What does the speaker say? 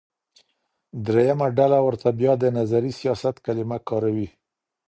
درېيمه ډله ورته بيا د نظري سياست کليمه کاروي.